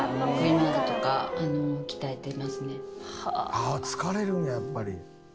ああ疲れるんややっぱり。